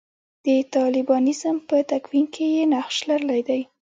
د طالبانیزم په تکوین کې یې نقش لرلی دی.